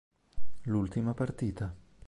L'ultima partita